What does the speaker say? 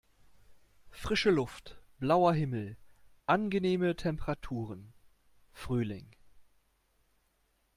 Frische Luft, blauer Himmel, angenehme Temperaturen: Frühling!